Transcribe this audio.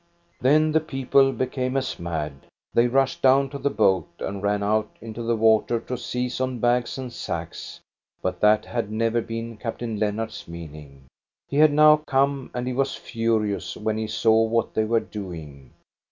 Then the people became as mad. They rushed down to the boat and ran out into the water to seize on bags and sacks, but that had never been Captain Lennart's meaning. He had now come, and he was furious when he saw what they were doing.